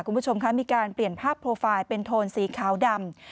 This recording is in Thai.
คุณผู้ชมคะมีการเปลี่ยนภาพโปรไฟล์เป็นโทนสีขาวดำ